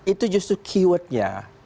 itu justru key wordnya